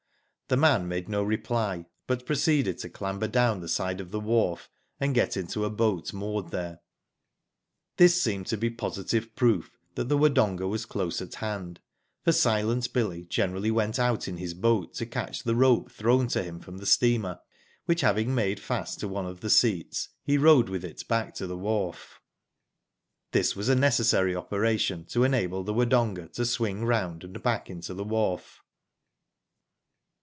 The man made no reply, but proceeded to clamber down the side of the wharf, and get into a boat moored there. This seemed to be positive proof that the Wodonga was close at hand, for " Silent Billy '* generally went out in his boat to catch the rope thrown to him from the steamer, which having made fast to one of the seats, he rowed with it back to the wharf. Digitized byGoogk A MYSTERY, 15 This was a necessary opv ration to enable the Wodonga to swing round and back into the wharf.